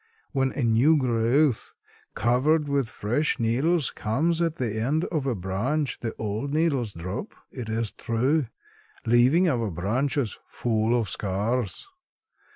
When a new growth covered with fresh needles comes at the end of a branch the old needles drop, it is true, leaving our branches full of scars.